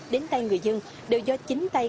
đến tay người dân đều do chính tay